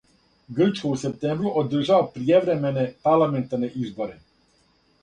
Грчка у септембру одржава пријевремене парламентарне изборе